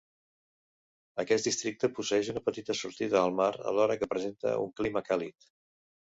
Aquest districte posseeix una petita sortida al mar alhora que presenta un clima càlid.